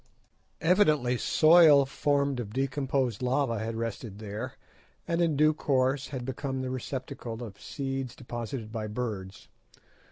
Evidently soil formed of decomposed lava had rested there, and in due course had become the receptacle of seeds deposited by birds.